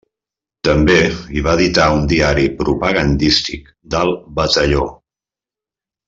També hi va editar un diari propagandístic del Batalló.